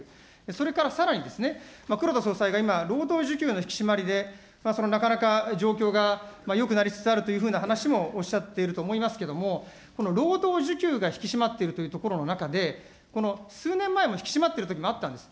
それからさらに、黒田総裁が今、労働需給の引き締まりで、なかなか状況がよくなりつつあるというふうな話もおっしゃっていると思いますけれども、労働需給が引き締まっているというところの中で、この数年前も引き締まっているときもあったんです。